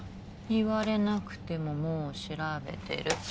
言われなくてももう調べてる。